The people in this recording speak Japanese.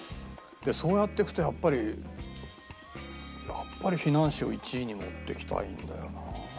そうやっていくとやっぱりやっぱりフィナンシェを１位に持っていきたいんだよな。